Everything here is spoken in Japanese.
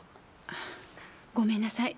あごめんなさい。